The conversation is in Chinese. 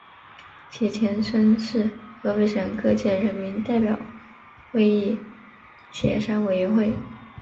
其前身是河北省各界人民代表会议协商委员会。